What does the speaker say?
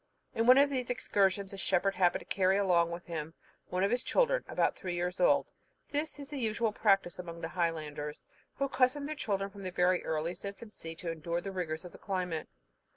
In one of these excursions, a shepherd happened to carry along with him one of his children, about three years old. This is a usual practice among the Highlanders, who accustom their children from their earliest infancy to endure the rigours of the climate.